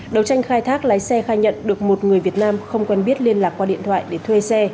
đầu tranh khai thác lái xe khai nhận được một người việt nam không quen biết liên lạc qua điện thoại để thuê xe